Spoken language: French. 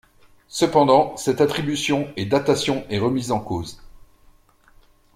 Cependant, cette attribution et datation est remise en cause.